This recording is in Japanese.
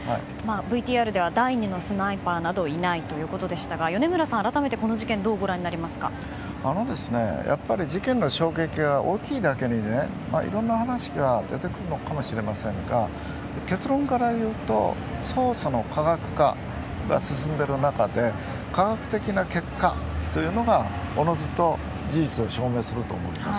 ＶＴＲでは第２のスナイパーなどいないということでしたが米村さん、あらためてこの事件事件の衝撃は大きいだけにいろんな話が出てくるのかもしれませんが結論からいうと捜査の科学化が進んでいる中で科学的な結果というのがおのずと事実を証明すると思います。